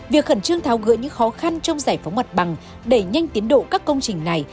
việc khẩn trương tháo gỡ những khó khăn trong giải phóng mặt bằng đẩy nhanh tiến độ các công trình này